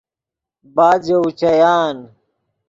بعد ژے اوچیان